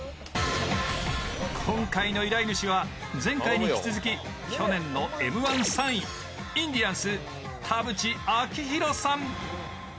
今回の依頼主は前回に引き続き、去年の「Ｍ−１」３位、インディアンス・田渕章裕さん。